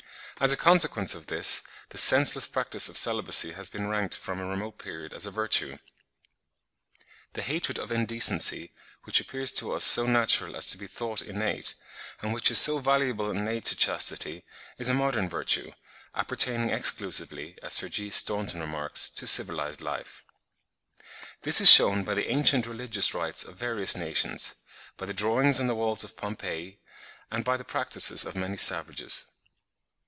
As a consequence of this, the senseless practice of celibacy has been ranked from a remote period as a virtue. (38. Lecky, 'History of European Morals,' vol. i. 1869, p. 109.) The hatred of indecency, which appears to us so natural as to be thought innate, and which is so valuable an aid to chastity, is a modern virtue, appertaining exclusively, as Sir G. Staunton remarks (38. 'Embassy to China,' vol. ii. p. 348.), to civilised life. This is shewn by the ancient religious rites of various nations, by the drawings on the walls of Pompeii, and by the practices of many savages.